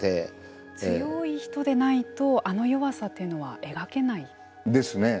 強い人でないとあの弱さというのは描けない？ですね。